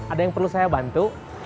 ada yang perlu saya bantu